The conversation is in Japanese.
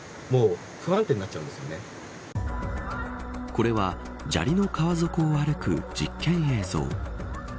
これは砂利の川底を歩く実験映像。